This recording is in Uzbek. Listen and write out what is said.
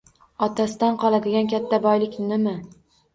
Otasidan qoladigan katta boyliknimi?